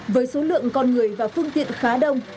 với số lượng con người và phương tiện khá đông